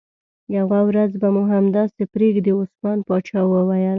یوه ورځ به مو همداسې پرېږدي، عثمان باچا وویل.